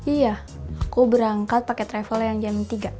iya aku berangkat pakai travel yang jam tiga